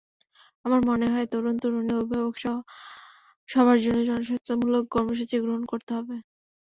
আমার মনে হয়, তরুণ-তরুণী, অভিভাবকসহ সবার জন্য সচেতনতামূলক কর্মসূচি গ্রহণ করতে হবে।